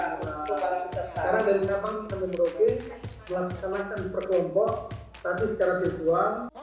karena dari sabang kami beropin telah sekanat kami berkumpul tapi sekarang di bunga